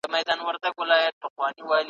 هغه هېوادونه چي صنعت لري، ډېر پرمختللي دي.